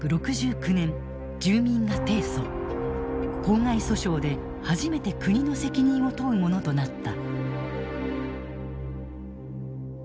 公害訴訟で初めて国の責任を問うものとなった。